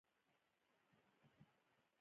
دا د عقلانیت منطق ته غاړه اېښودل دي.